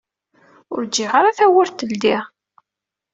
Ur ǧǧiɣ ara tawwurt teldi.